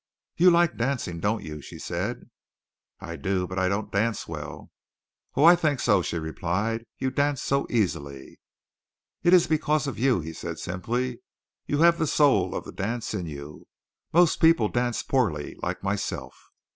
"You like dancing, don't you?" she said. "I do, but I don't dance well." "Oh, I think so!" she replied. "You dance so easily." "It is because of you," he said simply. "You have the soul of the dance in you. Most people dance poorly, like myself."